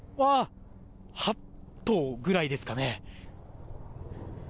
８頭ぐらいですかね。